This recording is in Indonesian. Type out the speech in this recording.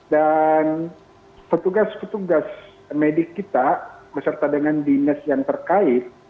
dan petugas petugas medik kita beserta dengan dinas yang terkait